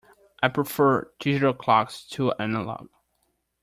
I prefer digital clocks to analog.